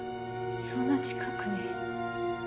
そんな近くに。